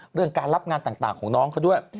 เรื่องการรับงานต่างของน้องเขาด้วย